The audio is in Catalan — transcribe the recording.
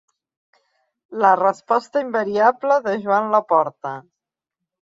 La resposta invariable de Joan Laporta.